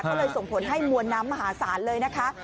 ก็เลยส่งผลให้มวลน้ำมหาศาลเลยนะคะ